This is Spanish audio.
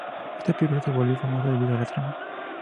Esta película se volvió famosa debido a la trama.